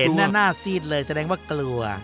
หน้าซีดเลยแสดงว่ากลัว